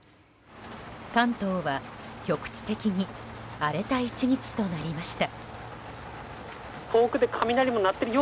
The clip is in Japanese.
関東は局地的に荒れた１日となりました。